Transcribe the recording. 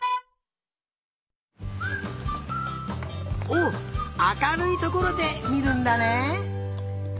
おあかるいところでみるんだね。